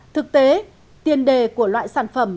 thực tế tiền đề của loại sản phẩm